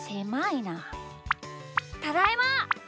ただいま！